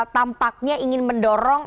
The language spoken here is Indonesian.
tampaknya ingin mendorong